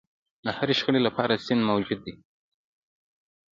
د هرې شخړې لپاره سند موجود و.